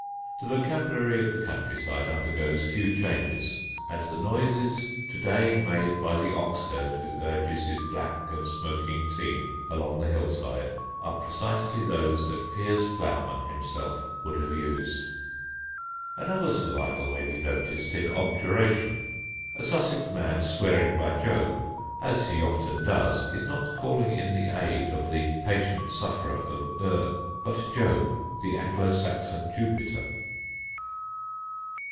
The vocabulary of the country side undergoes few changes; and the noises to day made by the ox herd who urges his black and smoking team along the hill side are precisely those that Piers Plowman himself would have used. [Sidenote: SAXON PERSISTENT] Another survival may be noticed in objurgation. A Sussex man swearing by Job, as he often does, is not calling in the aid of the patient sufferer of Uz, but Jobe, the Anglo Saxon Jupiter.